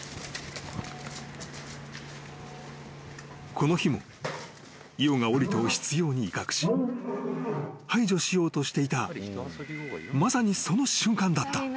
［この日もイオがオリトを執拗に威嚇し排除しようとしていたまさにその瞬間だった］